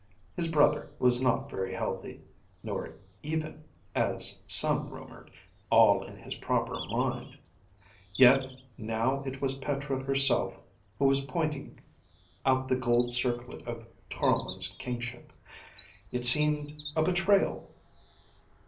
His brother was not very healthy, nor even as some rumored all in his proper mind. Yet now it was Petra herself who was pointing out the gold circlet of Toromon's kingship. It seemed a betrayal.